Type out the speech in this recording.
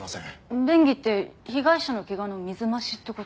便宜って被害者の怪我の水増しって事？